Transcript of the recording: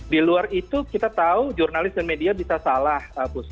di luar itu kita tahu jurnalis dan media bisa salah